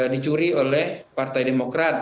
dicuri oleh partai demokrat